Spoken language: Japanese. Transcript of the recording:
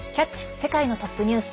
世界のトップニュース」。